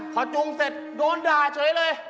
พอจูงเสร็จโดนด่าเฉยเลย